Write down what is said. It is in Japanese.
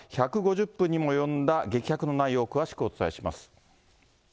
１５０分にも及んだ激白の内容を詳しくお伝えします。